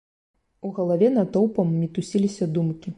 У галаве натоўпам мітусіліся думкі.